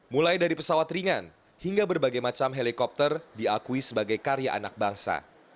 mulai dari pesawat ringan hingga berbagai macam helikopter diakui sebagai karya anak bangsa